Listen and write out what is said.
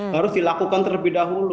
harus dilakukan terlebih dahulu